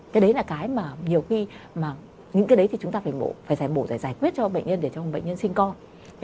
cái đấy là cái mà nhiều khi mà những cái đấy thì chúng ta phải mổ phải giải mổ giải quyết cho bệnh nhân để cho bệnh nhân sinh con